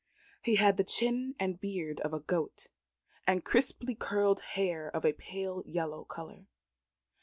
He had the chin and beard of a goat, and crisply curled hair of a pale yellow colour.